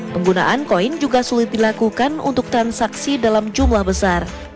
penggunaan koin juga sulit dilakukan untuk transaksi dalam jumlah besar